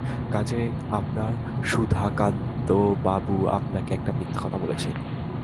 কাজেই আপনার সুধাকান্তবাবু আপনাকে একটা মিথ্যা কথা বলেছেন।